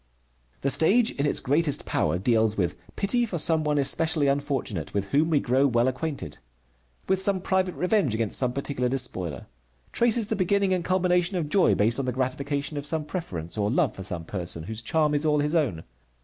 The stage in its greatest power deals with pity for some one especially unfortunate, with whom we grow well acquainted; with some private revenge against some particular despoiler; traces the beginning and culmination of joy based on the gratification of some preference, or love for some person, whose charm is all his own.